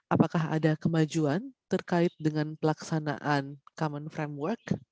apakah ada kemajuan terkait dengan pelaksanaan kfp